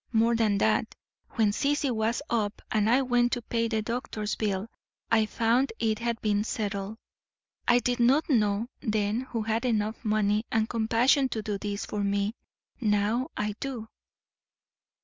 More than that; when Sissy was up and I went to pay the doctor's bill I found it had been settled. I did not know then who had enough money and compassion to do this for me; now I do."